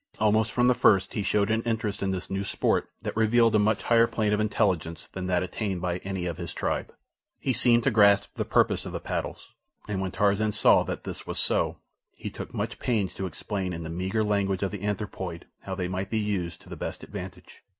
Almost from the first he showed an interest in this new sport that revealed a much higher plane of intelligence than that attained by any of his tribe. He seemed to grasp the purpose of the paddles, and when Tarzan saw that this was so he took much pains to explain in the meagre language of the anthropoid how they might be used to the best advantage.